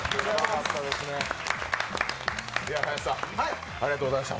ハヤシさん、ありがとうございました。